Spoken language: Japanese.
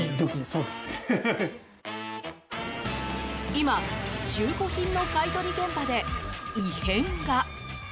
今、中古品の買い取り現場で異変が。